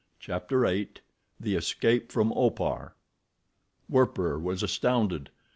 CHAPTER VIII. The Escape from Opar Werper was astounded.